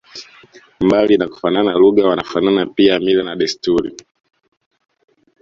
Mbali ya kufanana lugha wanafanana pia mila na desturi